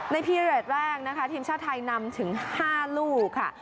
ในเรียดแรกนะคะทีมชาวไทยนำถึงห้าลูกค่ะ